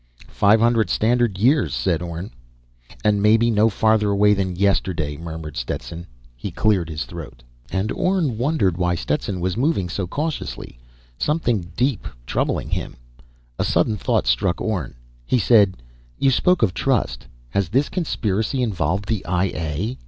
"Five hundred standard years," said Orne. "And maybe no farther away than yesterday," murmured Stetson. He cleared his throat. And Orne wondered why Stetson was moving so cautiously. Something deep troubling him. A sudden thought struck Orne. He said: "You spoke of trust. Has this conspiracy involved the I A?"